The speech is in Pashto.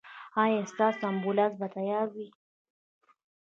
ایا ستاسو امبولانس به تیار وي؟